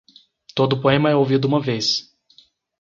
Todo poema é ouvido uma vez.